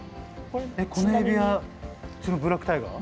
このエビはブラックタイガー？